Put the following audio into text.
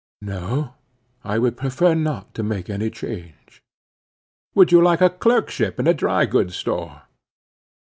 "No; I would prefer not to make any change." "Would you like a clerkship in a dry goods store?"